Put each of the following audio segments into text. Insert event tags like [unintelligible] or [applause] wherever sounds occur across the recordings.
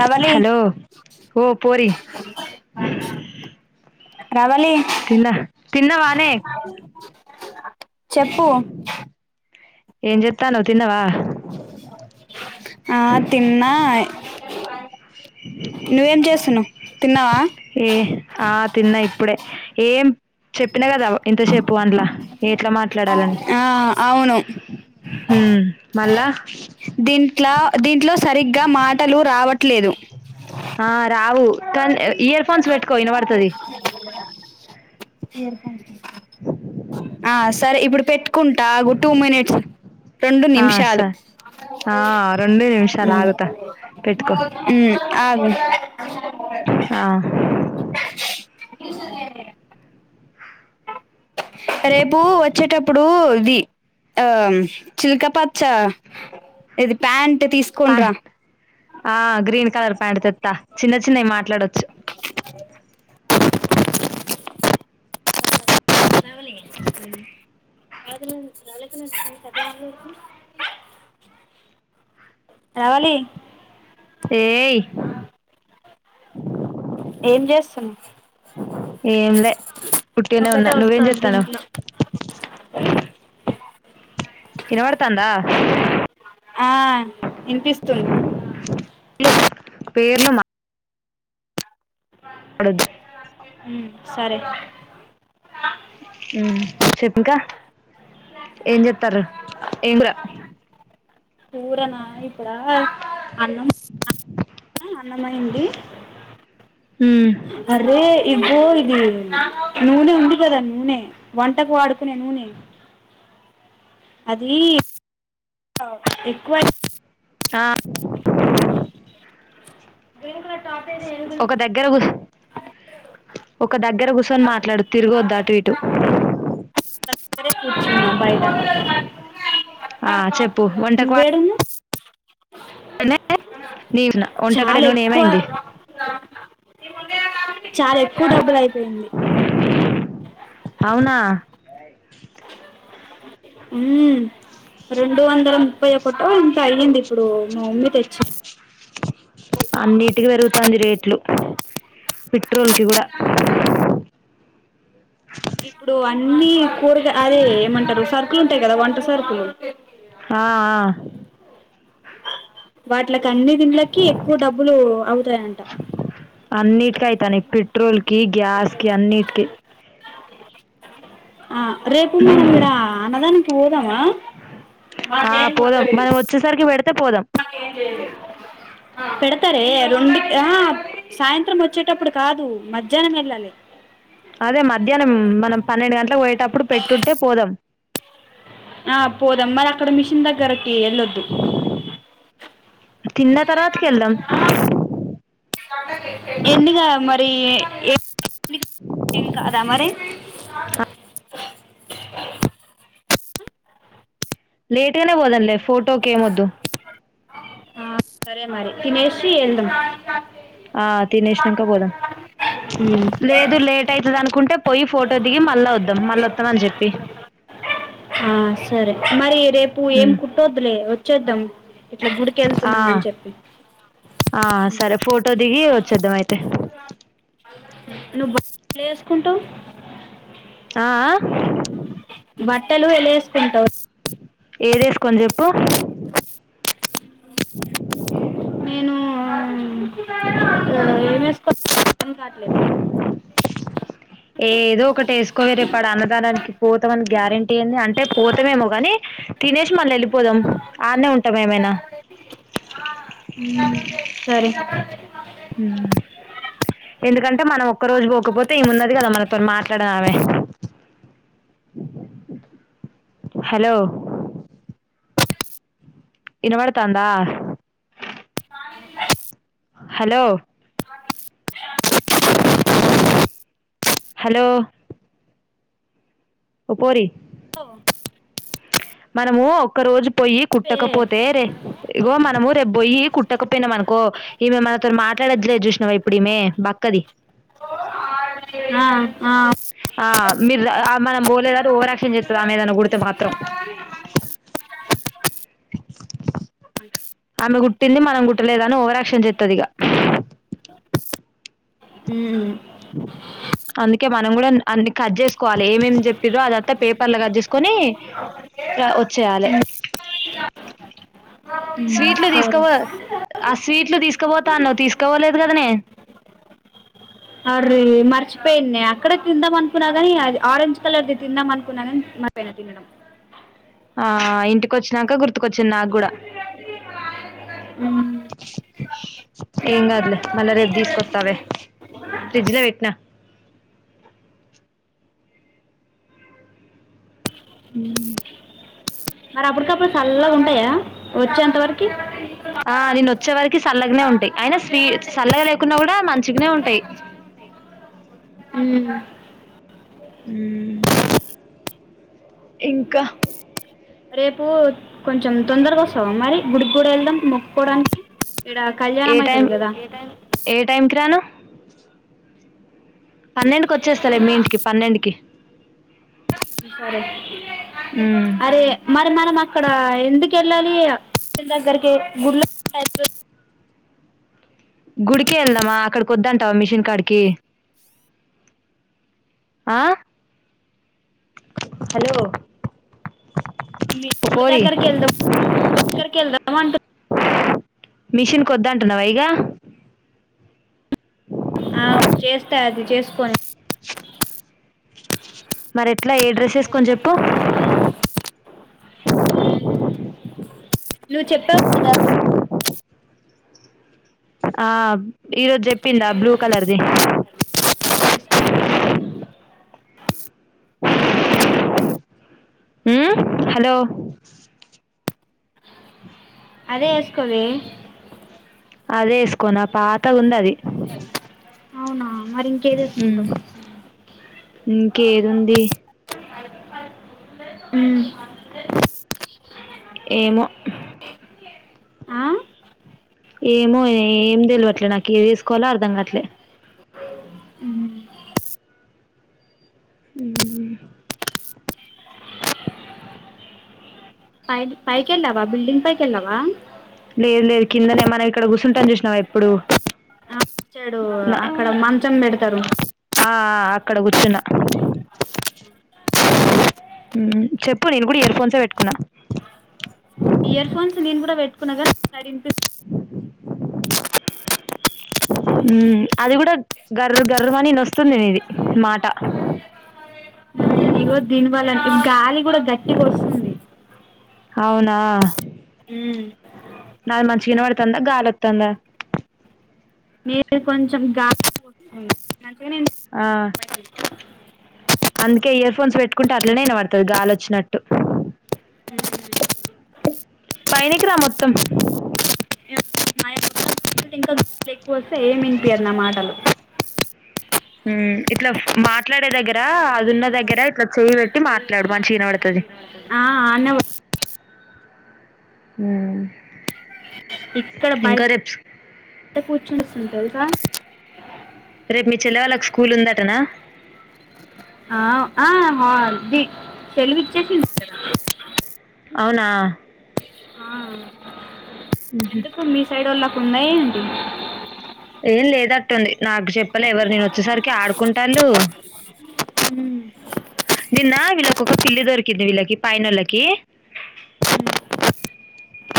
Ravali hello ఓ పోరి రవలి తిన్నా తిన్నావానే చెప్పు ఏం చెతనవ్ ఆ తిన్నా నువ్వేం చేస్తున్నావు తిన్నావా ఏ ఆ తిన్నా ఇప్పుడే ఏం చెప్పినా కదా ఇంతసేపు అండ్ల ఎట్లా మాట్లాడాలని ఆ అవును ఊ మళ్ళా దీంట్లో దీంట్లో సరిగ్గా మాటలు రావట్లేదు ఆ రావు కానీ ఇయర్ ఫోన్స్ పెట్టుకో విన పడుతది తెరుకుంది ఆ సరే ఇప్పుడు పెట్ కుంటా ఆ టూ మినట్స్ రెండు ఆ నిమిషాలు సరే ఆ రెండు ఊ నిమిషాలు ఆగుతా పెట్టుకో అగు ఆ ఇ చ రేపు వచ్చేటప్పుడు ఇది ఆ చిల్కపచ్చ ఇది ప్యాంట్ తీసుకొని ప రా ఆ గ్రీన్ కలర్ ప్యాంటు తెత్తా చిన్న చిన్నయి మాట్లాడొచ్చు రవలి ఏయ్ ఏం చేస్తనవ్ ఏం లే వుట్టినే ఉన్నా ఒకటే నువ్వేం వస్తాంది చెతనవ్ దీంట్లో ఇనబడ్తంద ఆ వినిపిస్తుంది లు పేర్లు మా ఉ సరే ఉ చెప్పింకా ఏం చెతారు ఏమ్ రా కూరనా ఇప్పుడా అన్నం అ అన్నమైంది ఊ అరే ఇబో ఇది నూనె ఉంది కదా నూనె వంటకు వాడుకునే నూనె అది ఎక్కువై ఆ దీని కూడా టాప్ ఏది ఏనుగుల్ ఒక దగ్గర కు ఒక దగ్గర గుసన్ మాట్లాడు తిరుగొద్దు అటు ఇటు [unintelligible] కూర్చున్న బైట. ఆ చెప్పు వంటక్ వా ఎ [unintelligible] న్నే నీవ్న వంటకాడ నూనేమైంది. చాలెక్కువ డబ్బులైపెయ్ంది. ఔనా. ఉమ్. రెండు వందల ముప్పై ఒకటో ఎంతో అయ్యిందిప్పుడు మా మామ్మి తెచ్చి. [unintelligible] పిట్. ట్రోల్కి గుడా. ఇప్పుడు అన్నీ కూరగ అదే ఏమంటరు సర్కులు ఉంటయ్ గద వంట సర్కులు. ఆ అ. వాట్లక్. కన్ని దీన్డ్లకి ఎక్కువ డబ్బులు అవ్తాయంట. పెట్రోల్కి గ్యాస్కి అన్నిట్కి. ఆ రేపు మనమిడ అన్నదానం. [unintelligible] దమా ఆ మాకేం పోదాం [unintelligible] మనం వచ్చేసరికి పెడితే పోదాం మాకేం [unintelligible] ఆ పెడతరే. రొండిక్ అహా సాయంత్రం ఒచ్చేటప్పుడు కాదు మధ్యానమెళ్ళాలె. అదే మధ్యానం మనం పన్నెండు గంట్లకు్ బొయ్యొ. టప్పుడు పెట్టుంటె పోదం. ఆ పోదమ్ మరక్కడ మిషిన్ దగ్గర కీ ఎళ్ళొద్దు. తిన్న తర్వాత్కెళ్దం. ఎన్నిగా మరీ ఏ. నీకే ఏం కాదా మరి. [inaudible] లేట్గనే పోదంలే ఫోటోకే మొద్దు. ఆ సరే మరి తినేషి ఎళ్దం. ఆ తినేష్నంక పోదం లేదు లేటైత కుంటె పొయ్యి ఫోటో దిగి మళ్ళా వొద్దం మళ్ళొ త్తమన్ జెప్పి. ఆ సరె మరీ. రేపు ఏం ఉమ్ కుట్టోద్లే వొ చేద్దం. ఆ ఆ సరె ఫోటో దిగి వచ్చేద్దామైతె. నువ్ బస్లే ఏస్కుంటవ్. ఆ ఆ. బట్టలు ఎలే వేసుకుంటావు ఏది వేసుకొని చెప్పు నేను ఆ ఏమ్ ఎస్ వచ్ ఏ ఏదో ఒకటి ఎస్ కోవే రేప్ పల అన్నదానానికి పోతామని గ్యారెంటీ ఏంది అంటే పోతామేమో కాని తినేసి మళ్ళీ వెళ్ళిపోదాం అన్నే ఉంటాం ఏమైనా అమ్మ సరే ఉమ్ ఎందుకంటే మనం ఒక్క రోజు పోకపోతే ఏమున్నది కదా మనతో మాట్లాడనామే హలో ఇనబడతందా [inaudible] [unintelligible] హలో హలో ఒ పోరి పో [unintelligible] బకరోజు పోొయి కుట్టకపోతే రే ఇగో మనము రేపు పోొయి కుట్టకపోయినాం అనుకో ఈ మే మనతో మాట్లాడచ్చలేదు చూసినావ ఇప్పుడుమే మా అక్కది ఆ ఆ, ఆ మీరు మనం పోలేదని ఓవరాక్షన్ చేస్తుంది ఆమెద అని గుడితే మాత్రం ఆమె గుట్టింది మనం కుట్టలేదు అని ఓవరాక్షన్ చేస్తది ఇక ఉ అందుకే మనం కూడా అన్ని కట్ చేసుకోవాలి ఎమ్ ఎమ్ చెప్పిందో అదంతా పేపర్ లో కట్ చేసుకో కొని వచ్చేయాలే ఉమ్, స్వీట్లు సరే తీసుకోపో ఆ స్వీట్లు తీసుకుపోతా న్నావ్ తీసుకోపోలేదు కదా నే అర్రె మర్చిపోయింన్నే అక్కడే తిందాం అనుకున్నా కాని అది ఆరెంజ్ కలర్ది తిందాం అనుకున్నా కాని మర్చిపోయినా తినడం ఆ ఇంటికొచ్చినాక గుర్తుకొచ్చింది నాకు కూడా ఏం కాదులే మళ్ళా రేపు తీసుకొస్తాలే ఫ్రిడ్జ్ లో పెట్టినా అ మర అప్పుడ్కి అప్పుడు సల్లగ ఉంటాయి కద ఫిజ్జంత వరికి ఆ నేన్ వచ్చే వరకి చల్లగానే ఉంటాయి అయిన స్వీ చల్లగా లేకున్నా కూడా మంచి చిన్నవు ఉంటాయి అ ఉ ఇంకా రేపు కొంచెం తొందరగా వస్తావు మరి గుడికి కూడా వెళ్దాం మొక్క్కకోవడానికి ఇడ ఏ కళ్యాణంమయితుంది కదా ఇనోఅడిబుల్ పన్నెండుకి వచ్చేస్తలే మీ ఇంటికి పన్నెండుకి సరే మ్మ్ అరే మరి మరి మా అక్కడ ఎందుకు వెళ్ళాలి దగ్గరికి గుళ్ళ గుడికి వెళ్దామా అక్కడికి వద్దంటావా మిషన్ కాడికి ఆ హలో మీ ఓ గుడి పోరి దగ్గరకి వెళ్దాం గుడి దగ్గరికి వెళ్దాం అంటు మిషన్ కొద్ద అంటున్నా వైగా ఆ చేస్తా అది చేసుకొని మరి ఇట్లా ఏ మరి డ్రెస్ెసు కొని ఎట్లా ఏ చెప్పు డ్రెస్ వేసుకొని చెప్పు నువ్వు చెప్పావు కదా ఆ ఈరోజు చెప్పిందా బ్లూ కలర్ది హలో అదే వేసుకోాల అదే వేసుకోన్నా పాతగా ఉంది అది అ అవునా మరి ఇంకేది వేసుకుంటావు ఇంకేదంది అ ఏమో ఆ ఏమో ఏం తెలివట్లే నాకు ఏది తీసుకోవాలో అర్ధం కాట్లే ఉమ్ ఉమ్ పై పైకిెళ్ళవ బిల్డింగ్ పైకిళ్ల్వా లేదు లేదు కిందనే మనం ఇక్కడ కూర్సుుంటాం చూసినావా ఎప్పుడు వచ్చాడు నా అక్కడ మంచం పెడతారు ఆ అక్కడ కూర్చున్న చెప్పు నేను కూడా ఇయర్ ఫోన్సే పెట్టుకున్నా ఇయర్ ఫోన్స్ నేను కూడా పెట్టుకున్నా కదా సరిగా విన్ అది కూడా గర్ర గర్రమానీ న వస్తుంది నీది మాట ఇగో దీని వాళ్ళే అంతే గాలి కూడా గట్టికి వస్తుంది అవునా నాది మంచి గా వెనపడుతుందా గాలిొస్తుందా మీది కొంచెం గాలి అంటే నేను ఆ అందుకే ఇయర్ఫోన్స్ పెట్టుకుంటే అట్లనే అనా పడుతది గాలిొచ్చినట్టు పైనకి రా మొత్తం ఇంకా [inaudible] ఎక్కువ వస్తే ఏమ్ వినిపయాదు నా మాటలు ఇట్లా మాట్లాడే దగ్గర అదిన్న దగ్గర ఇట్లా చేయ పెట్టి మాట్లాడు మంచిగా వెనపడుతుది ఆ అనే ఉమ్ ఇక్కడ బయట్ టే కూర్చోనిస్తుంది తెల్సా రేప్ మీ చెల్లె వాళ్ళక్ స్కూల్ ఉందట్ ట్టనా ఆ ఆ హాల్ దీ సెలవు ఇచ్చేసి [inaudible] గదా అవునా ఆ ఎందుకు మీ సైడోళ్ళక్ ఉన్నాయేంటి ఏం లేదట్టుంది నాకు చెప్పలే ఎవర్ నేన్ వచ్చేసరికే ఆడుకుంటాళ్ళూ. నిన్నా వీళ్ళకు ఒక పిల్లి దొరి కింది వీళ్ళకి పైనోళ్ళకీ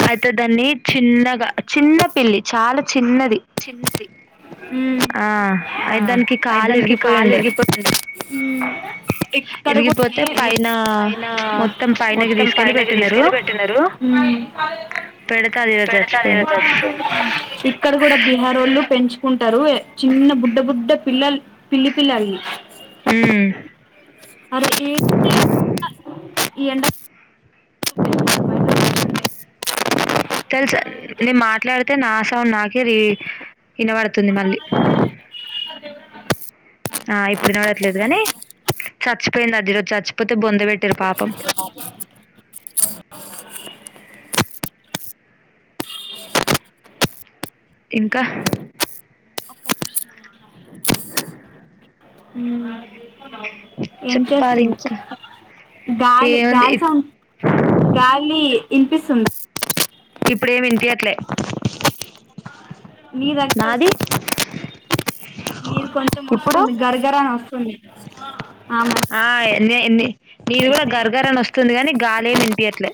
అయితే దాన్ని చిన్నగా చిన్న పిల్లి చాలా చిన్నది చిన్నది ఊ ఆ ఆ అయి దానికి అయితే కాలు దానికి ఇరిగిపోయి కాలు ఉండే విరిగిపోయింది. ఇక్కడ గూడా ఇరిగిపోతే పైన [inaudible] పైనా మొత్తం పైనకి మొత్తం తీసుకెళ్ళి పైనకి పెట్టినరు తీసుకెళ్ళి పెట్టినరూ. పెడితే అది ఈరోజు పెడితే అది చచ్చిపోయింది సచ్చిపోయింది. ఇక్కడ గూడా ఆరోళ్ళు పెంచుకుంటరూ చిన్న బుడ్డ బుడ్డ పిల్లల్ పిల్లి పిల్లల్నీ. మ్మ్. అరే ఏ [inaudible] ఈ ఎండ బయట [inaudible] తెల్సా నేన్ మాట్లాడితే నాశ్ ఆ నాకిదీ ఇనబడుతుంది మళ్ళీ. ఆ ఇప్పుడు వినపడట్లేదు గానీ సచ్ [unintelligible] చచ్చిపోతే బొంద్ ఇంకా ఊ ఏం చెప్పాలి చేస్తున్నవ్ ఇంకా చెప్ [inaudible] గాలి ఏముంది గాలి ఇప్- సౌండ్ గాలీ ఇనిపిస్తుందా [inaudible] ఇప్పుడేమి ఇన్పీయట్లే నీదైతే వస్తు [inaudible] నీది కొంచెం ఇప్పుడు వస్తుంది గరగరా అని వస్తుంది. ఆ [inaudible] నే- నే- నీది గూడా గర్ గర్ అని వస్తుంది గాని, గాలేం వినిపియట్లే.